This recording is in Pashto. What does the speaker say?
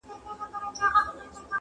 • نه دي نوم وي د لیلا نه دي لیلا وي.